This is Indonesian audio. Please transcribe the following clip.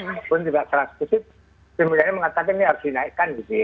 walaupun tidak terlaksud kemudian mengatakan ini harus dinaikkan gitu ya